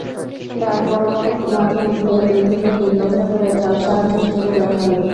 তারপরও মাঝেমধ্যে দুই থেকে তিন বস্তা করে চাল সাহায্য হিসেবে দেওয়া হয়।